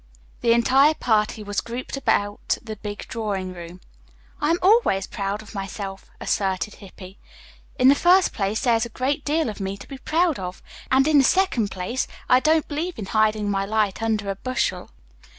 The entire party was grouped about the big drawing room. "I am always proud of myself," asserted Hippy. "In the first place there is a great deal of me to be proud of; and in the second place I don't believe in hiding my light under a bushel."